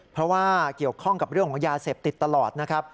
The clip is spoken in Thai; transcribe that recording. เพราะว่าเกี่ยวข้องกับเรื่องของยาเสพติดตลอดนะครับ